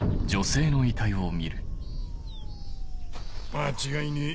間違いねえ